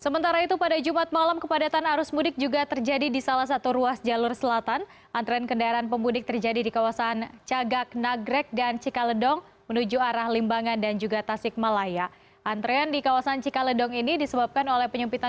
hingga jumat malam kemacetan panjang arus pemudik terjadi di ruas tol jakarta cikampek